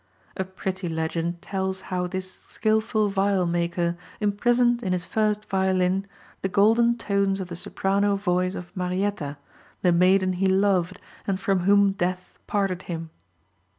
A pretty legend tells how this skilful viol maker imprisoned in his first violin the golden tones of the soprano voice of Marietta, the maiden he loved and from whom death parted him.